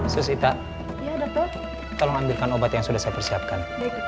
terus ita ya dokter tolong ambilkan obat yang sudah saya persiapkan